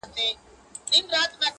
پرېږده چي نور په سره ناسور بدل سي~